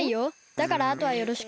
だからあとはよろしく。